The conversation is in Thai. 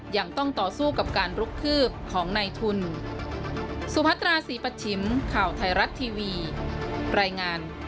ยังต้องต่อสู้กับการลุกคืบของในทุน